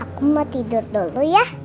aku mau tidur dulu ya